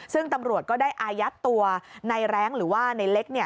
ซึ่งตำรวจก็ได้อายัดตัวในแร้งหรือว่าในเล็ก